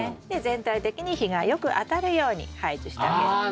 で全体的に日がよく当たるように配置してあげる。